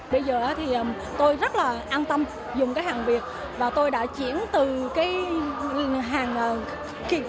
bây giờ thì tôi rất là an tâm dùng cái hàng việt và tôi đã chuyển từ cái